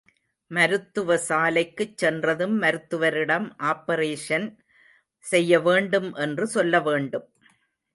மருத்துவசாலைக்குச் சென்றதும் மருத்துவரிடம் ஆப்பரேஷன் செய்யவேண்டும் என்று சொல்லவேண்டும்.